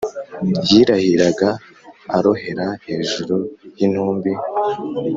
yirahiraga arohera hejuru y'intumbi